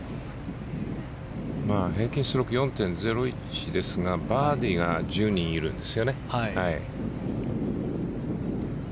平均ストローク４．０１ですがバーディーが１０人いるんですよね。